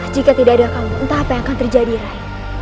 jika tidak ada kamu entah apa yang akan terjadi rai